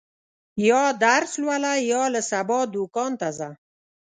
یا درس لوله، یا له سبا دوکان ته ځه.